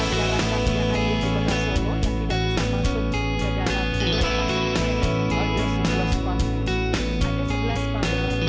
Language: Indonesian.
saya ingin mengucapkan terima kasih kepada anda semua yang telah menonton video ini